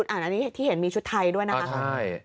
อันนี้ที่เห็นมีชุดไทยด้วยนะคะ